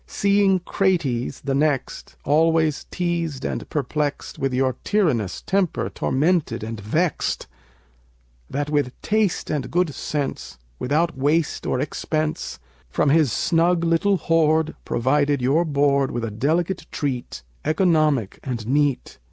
Seeing Crates, the next, always teased and perplexed, With your tyrannous temper tormented and vexed; That with taste and good sense, without waste or expense, From his snug little hoard, provided your board With a delicate treat, economic and neat.